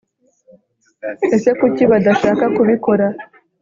Ese Kuki badashaka kubikora